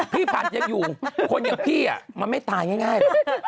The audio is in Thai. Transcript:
ผัดยังอยู่คนอย่างพี่มันไม่ตายง่าย